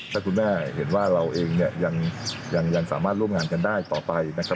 ถ้าคุณแม่เห็นว่าเราเองยังสามารถร่วมงานกันได้ต่อไปนะครับ